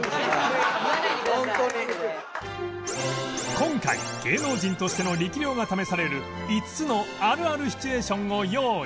今回芸能人としての力量が試される５つのあるあるシチュエーションを用意